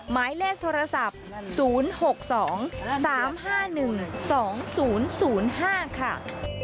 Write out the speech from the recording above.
หมายเลขโทรศัพท์๐๖๒๓๕๑๒๐๐๕ค่ะ